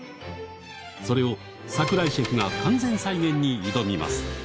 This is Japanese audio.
それを櫻井シェフが完全再現に挑みます。